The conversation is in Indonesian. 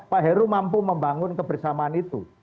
pak heru mampu membangun kebersamaan itu